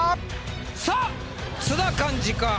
⁉さあ津田寛治か？